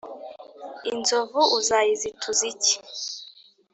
inzovu uzayizituza iki ?